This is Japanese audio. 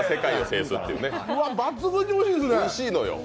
抜群においしいですね。